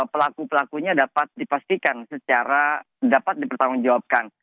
pelaku pelakunya dapat dipastikan secara dapat dipertanggungjawabkan